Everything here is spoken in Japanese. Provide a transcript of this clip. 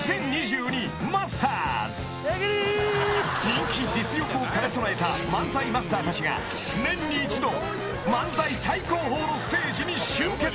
［人気実力を兼ね備えた漫才マスターたちが年に一度漫才最高峰のステージに集結］